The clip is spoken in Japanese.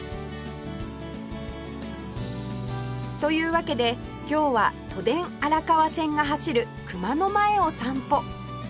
というわけで今日は都電荒川線が走る熊野前を散歩